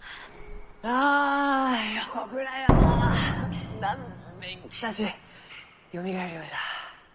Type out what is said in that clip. ああ横倉山！何べん来たちよみがえるようじゃ。